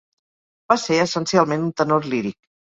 Va ser essencialment un tenor líric.